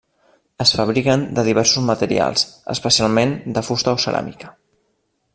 Es fabriquen de diversos materials, especialment de fusta o ceràmica.